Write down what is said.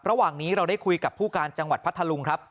ระหว่างนี้เราได้คุยกับผู้การจังหวัดพัทธลุงครับ